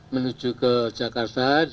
menuju ke jakarta